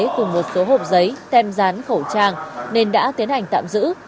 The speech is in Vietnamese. cùng một số hộp giấy tem rán khẩu trang nên đã tiến hành tạm giữ